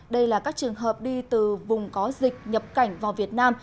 đây là các trường hợp đi từ vùng có dịch nhập cảnh vào việt nam